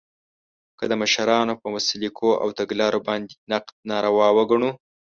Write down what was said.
که د مشرانو په سلیقو او تګلارو باندې نقد ناروا وګڼو